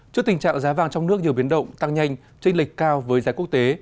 trước tình trạng giá vàng trong nước nhiều biến động tăng nhanh tranh lệch cao với giá quốc tế